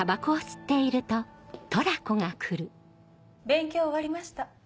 勉強終わりました。